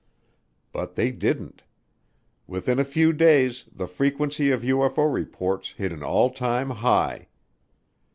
But they didn't. Within a few days the frequency of UFO reports hit an all time high.